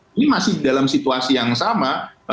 ini masih dalam situasi yang sama